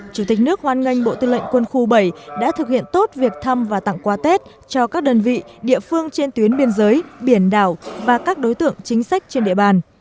chủ tịch nước hoan nghênh bộ tư lệnh quân khu bảy đã thực hiện tốt việc thăm và tặng quà tết cho các đơn vị địa phương trên tuyến biên giới biển đảo và các đối tượng chính sách trên địa bàn